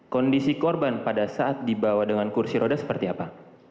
kondisi korban pada saat dibawa dengan kursi roda seperti apa